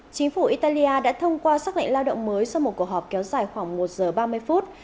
chính phủ italia đã thông qua xác lệnh lao động mới sau một cuộc họp kéo dài khoảng một giờ ba mươi phút